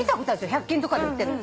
１００均とかで売ってるの。